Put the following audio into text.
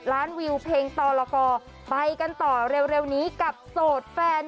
ล้านวิวเพลงต่อละกอไปกันต่อเร็วนี้กับโสดแฟน